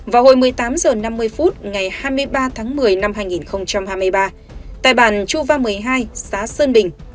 vào hồi một mươi tám h năm mươi phút ngày hai mươi ba tháng một mươi năm hai nghìn hai mươi ba tại bàn chu va một mươi hai xã sơn bình